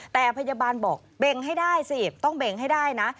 แต่พยาบาลบอกเบ่งให้ได้สิต้องเบ่งให้ได้นะ